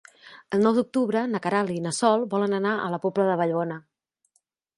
El nou d'octubre na Queralt i na Sol volen anar a la Pobla de Vallbona.